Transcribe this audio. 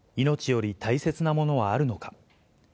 命より大切なものはあるのか。